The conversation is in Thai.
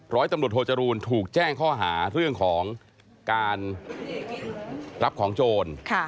ร้อยตำรวจโทจรูลถูกแจ้งข้อหาเรื่องของการรับของโจร